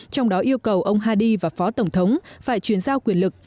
trong đó yêu cầu ông hadi và phó tổng thống phải chuyển giao quyền lực